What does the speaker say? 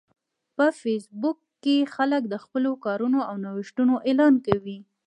په فېسبوک کې خلک د خپلو کارونو او نوښتونو اعلان کوي